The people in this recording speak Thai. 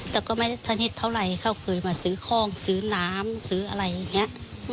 แต่ก็ไม่ได้สนิทเท่าไหร่เขาเคยมาซื้อของซื้อน้ำซื้ออะไรอย่างนี้